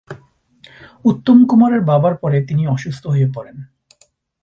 উত্তম কুমারের বাবার পরে তিনিও অসুস্থ হয়ে পড়েন।